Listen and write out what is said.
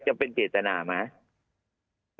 จะเป็นเจตนาไหม